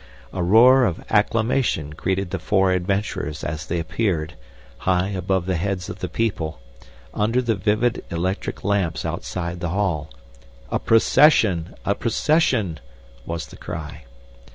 A roar of acclamation greeted the four adventurers as they appeared, high above the heads of the people, under the vivid electric lamps outside the hall. 'A procession! A procession!' was the cry.